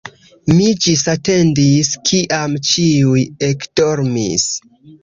Mi ĝisatendis, kiam ĉiuj ekdormis.